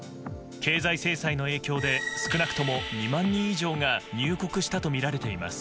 経済制裁の影響で少なくとも２万人以上が入国したとみられています。